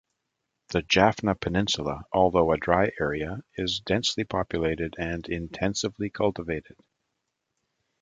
The Jaffna Peninsula, although a dry area, is densely populated and intensively cultivated.